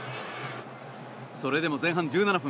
それでも前半１７分。